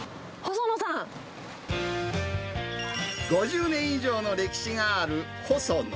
５０年以上の歴史がある、ほその。